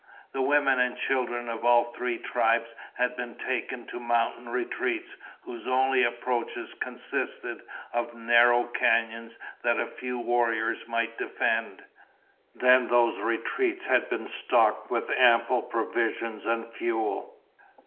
The women and children of all three tribes had been taken to mountain retreats whose only approaches consisted of narrow canyons that a few warriors might defend. Then those retreats had been stocked with ample provisions and fuel.